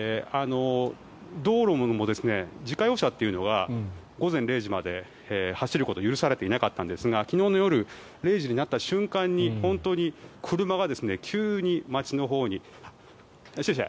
道路も自家用車というのは午前０時まで走ることが許されていなかったんですが昨日の夜０時になった瞬間に本当に車が急に街のほうに。